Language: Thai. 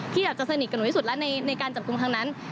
อยากจะสนิทกับหนูที่สุดแล้วในการจับกลุ่มครั้งนั้น